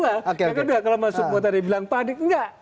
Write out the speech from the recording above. yang kedua yang kedua kalau mas sukmo tadi bilang panik nggak